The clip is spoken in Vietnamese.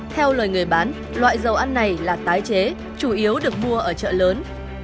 theo lời người bán loại dầu ăn này là tái chế chủ yếu được mua ở chợ lớn